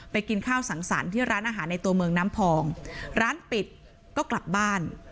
กินข้าวสังสรรค์ที่ร้านอาหารในตัวเมืองน้ำพองร้านปิดก็กลับบ้าน